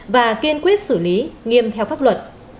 và kiên quyết xử lý nghiêm theo pháp luật